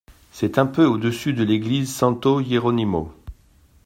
C’était un peu au-dessous de l’église santo-Hieronimo.